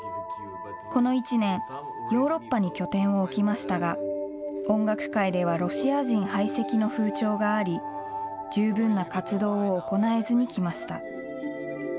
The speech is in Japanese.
この一年、ヨーロッパに拠点を置きましたが、音楽界ではロシア人排斥の風潮があり、十分な活動を行えずにきました。